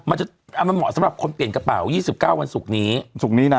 มันจะมันเหมาะสำหรับคนเปลี่ยนกระเป๋า๒๙วันศุกร์นี้ศุกร์นี้นะ